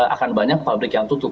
akan banyak pabrik yang tutup